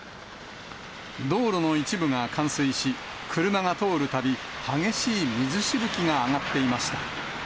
道路の一部が冠水し、車が通るたび、激しい水しぶきが上がっていました。